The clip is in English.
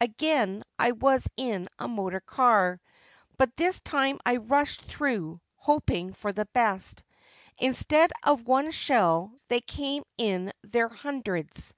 Again I was in a motor car, but this time I rushed through — hoping for the best. Instead of one shell they came in their hundreds.